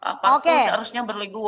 apakah seharusnya berleguwa